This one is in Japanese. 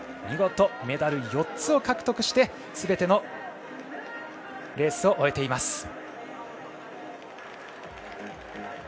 見事、メダル４つを獲得してすべてのレースを終えています。